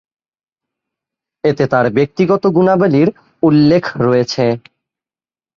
এতে তার ব্যক্তিগত গুণাবলির উল্লেখ রয়েছে।